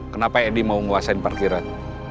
kenapa edi mau nguasain parkiran